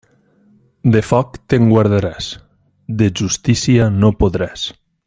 De foc, te'n guardaràs; de justícia, no podràs.